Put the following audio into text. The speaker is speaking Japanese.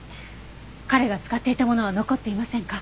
彼が使っていたものは残っていませんか？